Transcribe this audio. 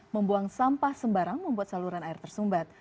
membuang sampah sembarang membuat saluran air tersumbat